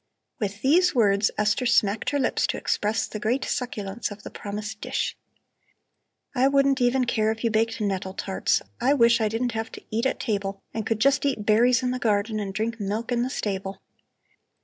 With these words Esther smacked her lips to express the great succulence of the promised dish. "I wouldn't even care if you baked nettle tarts; I wish I didn't have to eat at table and could just eat berries in the garden and drink milk in the stable."